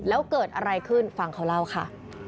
แล้วเกิดอะไรขึ้นฟังเขาเล่าค่ะ